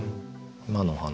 今のお話